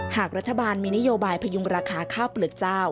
หากรัฐบาลมีนโยบายพยุงราคาข้าวเปลือกเจ้า